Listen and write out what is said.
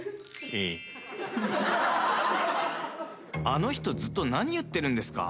あの人ずっと何言ってるんですか。